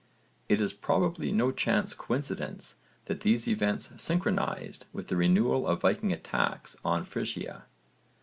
It is probably no chance coincidence that these events synchronised with the renewal of Viking attacks on Frisia.